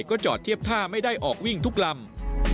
ก็จอดเทียบท่าไม่ได้ออกวิ่งทุกลำ